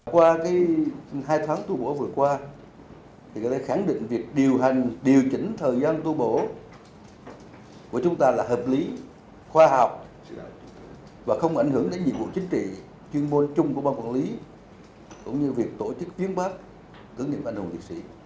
qua hai tháng tu bổ vừa qua thì có thể khẳng định việc điều hành điều chỉnh thời gian tu bổ của chúng ta là hợp lý khoa học và không ảnh hưởng đến nhiệm vụ chính trị chuyên môn chung của ban quản lý cũng như việc tổ chức kiến bác cưỡng nghiệp ảnh hưởng thực sĩ